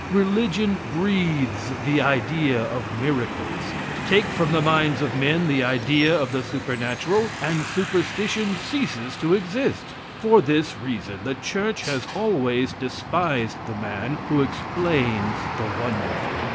Religion breathes the idea of miracles. Take from the minds of men the idea of the supernatural, and superstition ceases to exist; for this reason the Church has always despised the man who explains the wonderful.